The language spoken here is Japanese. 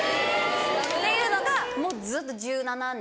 っていうのがもうずっと１７年？